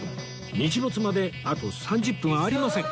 日没まであと３０分ありません